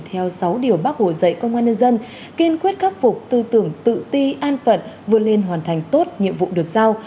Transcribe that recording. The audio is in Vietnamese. theo sáu điều bác hồ dạy công an nhân dân kiên quyết khắc phục tư tưởng tự ti an phận vượt lên hoàn thành tốt nhiệm vụ được giao